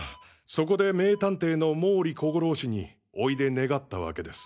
そこで名探偵の毛利小五郎氏においで願ったわけです。